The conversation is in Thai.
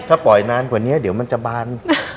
ถ้าปล่อยนานกว่านี้เดี๋ยวมันจะบาน